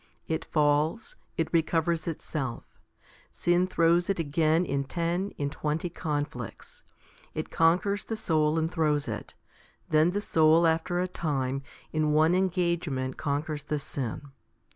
It falls ; it recovers itself. Sin throws it again in ten, in twenty conflicts. It conquers the soul and throws it ; then the soul after a time in one engagement conquers the sin.